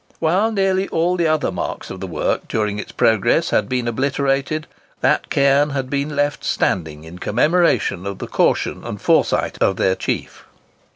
While nearly all the other marks of the work during its progress had been obliterated, that cairn had been left standing in commemoration of the caution and foresight of their chief.